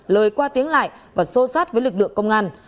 lời qua tiếng lại và xô sát với lực lượng công an